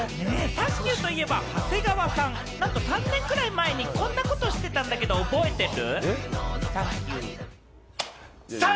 サンキューといえば長谷川さん、３年くらい前にこんなことしてたんだけれども、覚えてる？